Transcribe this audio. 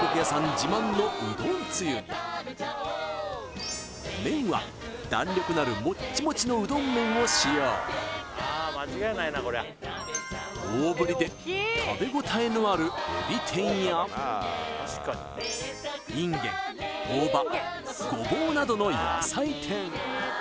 自慢のうどんつゆに麺は弾力のあるモッチモチのうどん麺を使用大ぶりで食べ応えのあるえび天やインゲン大葉ゴボウなどの野菜天